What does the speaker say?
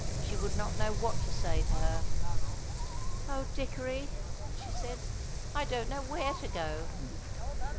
She would not know what to say to her. "Oh, Dickory," she said, "I don't know where to go."